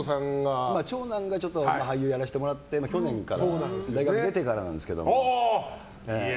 長男が俳優やらせてもらって去年から大学出てからなんですけど。